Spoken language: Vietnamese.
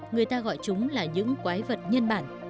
người ta gọi chúng là những quái vật nhân bản